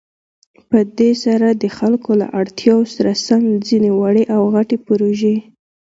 په دې سره د خلكو له اړتياوو سره سم ځينې وړې او غټې پروژې